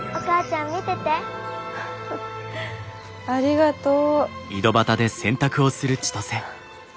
フフありがとう。